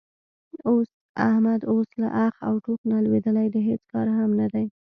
احمد اوس له اخ او ټوخ نه لوېدلی د هېڅ کار هم نه دی.